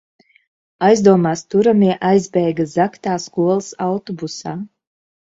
Aizdomās turamie aizbēga zagtā skolas autobusā.